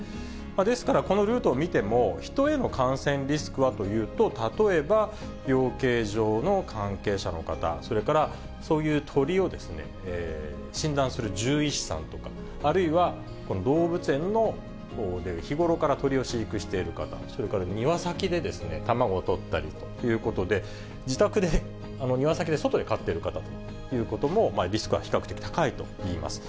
ですからこのルートを見ても、ヒトへの感染リスクはというと、例えば、養鶏場の関係者の方、それからそういう鳥を診断する獣医師さんとか、あるいは動物園で日頃から鳥を飼育している方、それから庭先で卵採ったりということで、自宅で、庭先で、外で飼っている方ということも、リスクは比較的高いといいます。